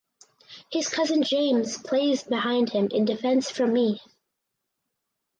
His cousin James plays behind him in defence for Meath.